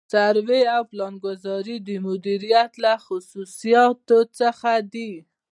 سروې او پلانګذاري د مدیریت له خصوصیاتو څخه دي.